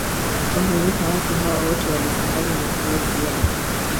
Tanganyika Watu hawa wote walisambaza matumizi ya